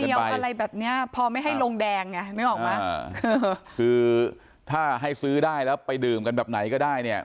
อะไรแบบเนี้ยพอไม่ให้ลงแดงไงนึกออกไหมคือถ้าให้ซื้อได้แล้วไปดื่มกันแบบไหนก็ได้เนี่ย